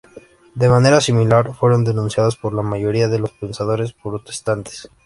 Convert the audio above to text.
De manera similar fueron denunciadas por la mayoría de los pensadores protestantes.